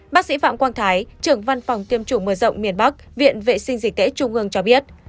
bác sĩ phạm quang thái trưởng văn phòng tiêm chủng mở rộng miền bắc viện vệ sinh dịch tễ trung ương cho biết